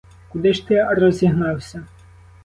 Куди ж ти розігнався?